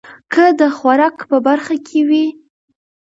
که د خوراک په برخه کې وي